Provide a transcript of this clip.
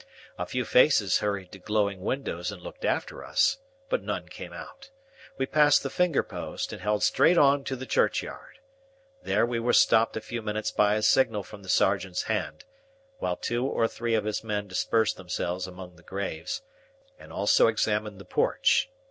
A few faces hurried to glowing windows and looked after us, but none came out. We passed the finger post, and held straight on to the churchyard. There we were stopped a few minutes by a signal from the sergeant's hand, while two or three of his men dispersed themselves among the graves, and also examined the porch.